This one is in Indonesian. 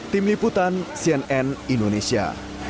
tim liputan cnn indonesia